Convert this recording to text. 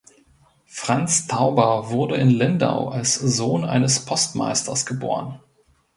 Franz Tauber wurde in Lindau als Sohn eines Postmeisters geboren.